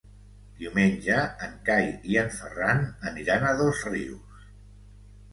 Diumenge en Cai i en Ferran aniran a Dosrius.